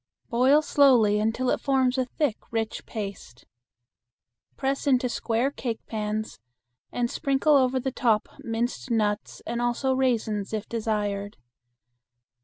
Boil slowly until it forms a thick rich paste. Press into square cake pans and sprinkle over the top minced nuts and also raisins, if desired.